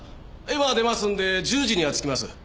今出ますんで１０時には着きます。